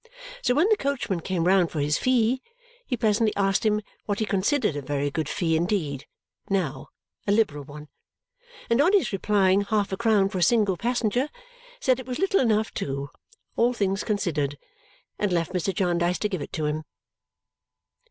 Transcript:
So when the coachman came round for his fee, he pleasantly asked him what he considered a very good fee indeed, now a liberal one and on his replying half a crown for a single passenger, said it was little enough too, all things considered, and left Mr. Jarndyce to give it him.